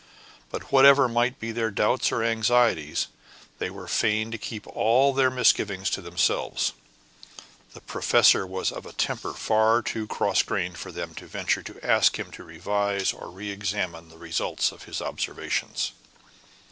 But whatever might be their doubts or anxieties, they were fain to keep all their misgivings to themselves; the professor was of a temper far too cross grained for them to venture to ask him to revise or re examine the results of his observations.